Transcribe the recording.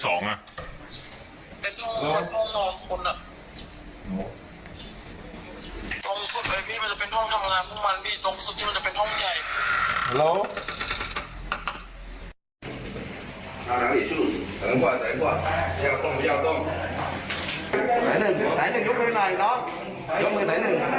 ห้องแรกเป็นห้องขายของห้องที่สองอ่ะ